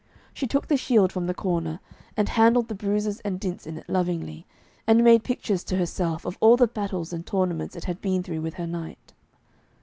She took the shield from the corner, and handled the bruises and dints in it lovingly, and made pictures to herself of all the battles and tournaments it had been through with her knight.